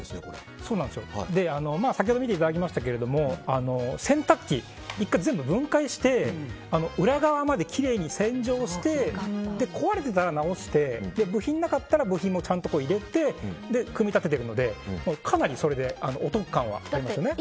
先ほど見ていただきましたけども洗濯機、１回全部分解して裏側まできれいに洗浄して壊れてたら直して部品なかったら部品も入れて組み立ててるのでかなりお得感はありますよね。